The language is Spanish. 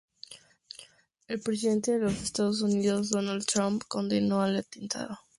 El presidente de los Estados Unidos, Donald Trump condenó el atentado.